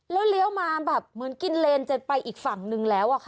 แล้วเลี้ยวมาแบบเหมือนกินเลนจะไปอีกฝั่งนึงแล้วอะค่ะ